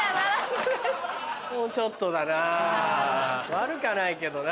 悪かないけどな。